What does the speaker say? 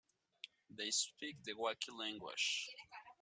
They speak the Wakhi language.